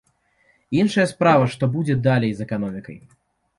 Іншая справа, што будзе далей з эканомікай.